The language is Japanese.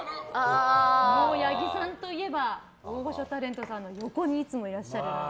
もう八木さんといえば大御所タレントさんの横にいつもいらっしゃるので。